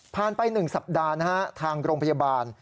ผ่านไป๑สัปดาห์ทางโรงพยาบาล